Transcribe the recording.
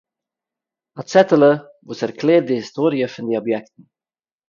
אַ צעטעלע, וואָס ערקלערט די היסטאָריע פון די אָביעקטן